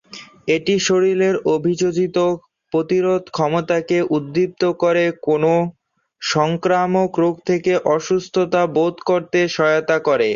এটি শরীরের অভিযোজিত প্রতিরোধ ক্ষমতা কে উদ্দীপ্ত করে কোনও সংক্রামক রোগ থেকে অসুস্থতা রোধ করতে সহায়তা করে।